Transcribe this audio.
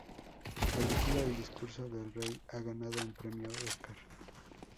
Su película "El discurso del rey" ha ganado un premio Óscar.